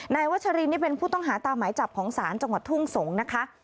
วัชรินนี่เป็นผู้ต้องหาตามหมายจับของศาลจังหวัดทุ่งสงศ์นะคะ